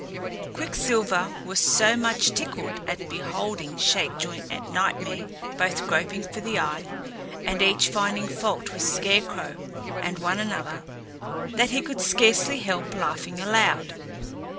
Quicksilver was so much tickled at beholding Shakejoint and Nightmare both groping for the eye, and each finding fault with Scarecrow and one another, that he could scarcely help laughing aloud.